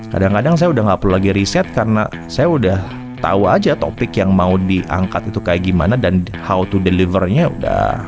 kadang kadang saya udah gak perlu lagi riset karena saya udah tau aja topik yang mau diangkat itu kayak gimana dan how to delivernya udah